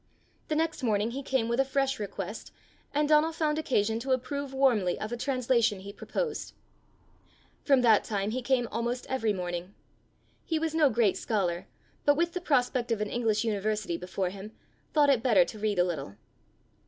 The next morning he came with a fresh request, and Donal found occasion to approve warmly of a translation he proposed. From that time he came almost every morning. He was no great scholar, but with the prospect of an English university before him, thought it better to read a little.